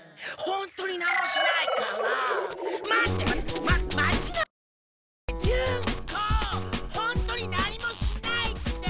ほんとに何もしないって。